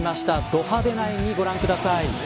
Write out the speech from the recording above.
ど派手な演技、ご覧ください。